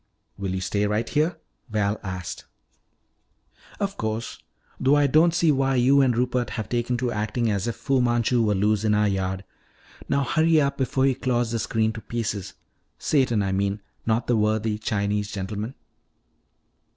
"Will you stay right here?" Val asked. "Of course. Though I don't see why you and Rupert have taken to acting as if Fu Manchu were loose in our yard. Now hurry up before he claws the screen to pieces. Satan, I mean, not the worthy Chinese gentleman."